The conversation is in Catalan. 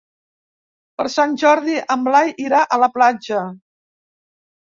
Per Sant Jordi en Biel irà a la platja.